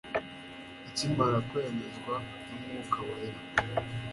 Akimara kwemezwa n'Umwuka wera,